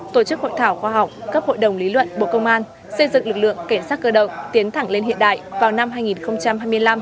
tổ chức hội thảo khoa học cấp hội đồng lý luận bộ công an xây dựng lực lượng cảnh sát cơ động tiến thẳng lên hiện đại vào năm hai nghìn hai mươi năm